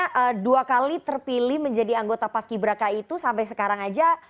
karena dua kali terpilih menjadi anggota paski beraka itu sampai sekarang aja